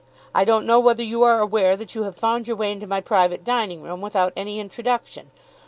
I don't know whether you are aware that you have found your way into my private dining room without any introduction.